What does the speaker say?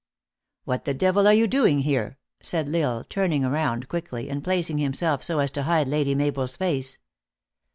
What the devil are you doing here?" said L Isle, turning round quickly, and placing himself so as to hide Lady Mabel s face.